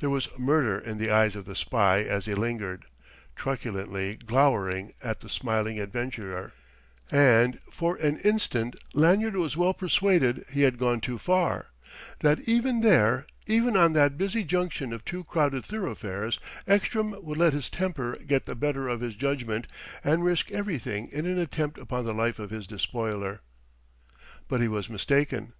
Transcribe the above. There was murder in the eyes of the spy as he lingered, truculently glowering at the smiling adventurer; and for an instant Lanyard was well persuaded he had gone too far, that even there, even on that busy junction of two crowded thoroughfares, Ekstrom would let his temper get the better of his judgment and risk everything in an attempt upon the life of his despoiler. But he was mistaken.